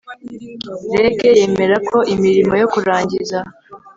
REG yemera ko imirimo yo kurangiza